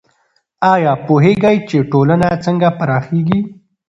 آیا پوهېږئ چې ټولنه څنګه پراخیږي؟